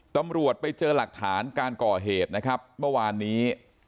ตำรวจไปเจอหลักฐานการก่อเหตุนะครับเมื่อวานนี้